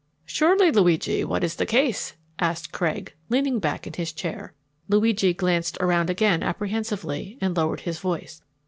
"Surely, Luigi. What is the case?" asked Craig, leaning back in his chair. Luigi glanced around again apprehensively and lowered his voice.